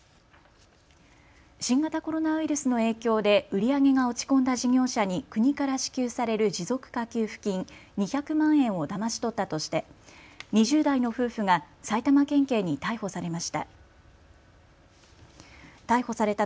新型コロナウイルスの影響で売り上げが落ち込んだ事業者に国から支給される持続化給付金２００万円をだまし取ったとして２０代の夫婦が埼玉県警に逮捕されました。